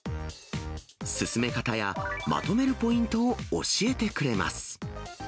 進め方やまとめるポイントを教えてくれます。